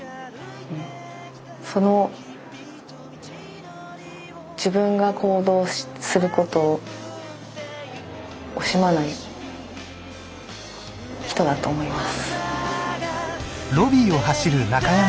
その自分が行動することを惜しまない人だと思います。